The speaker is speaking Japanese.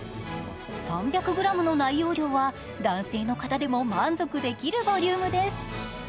３００ｇの内容量は男性の方でも満足できる内容です。